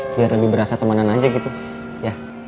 biar lebih berasa temanan aja gitu ya